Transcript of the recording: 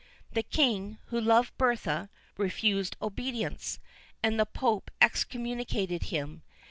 The King, who loved Bertha, refused obedience, and the Pope excommunicated him.